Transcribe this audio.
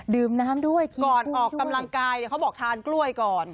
ดื่มน้ำด้วยก่อนออกกำลังกายเขาบอกทานกล้วยก่อน